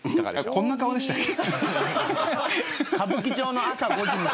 こんな顔でしたっけ？